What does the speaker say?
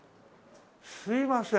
すいません。